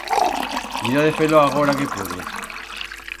Mira de fer-lo agora que puedes.